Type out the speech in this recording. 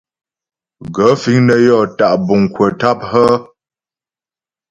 Gaə̂ fíŋ nə́ yɔ́ tá' buŋ kwə̀ tâp hə́ ?